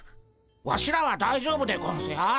ワシらは大丈夫でゴンスよ。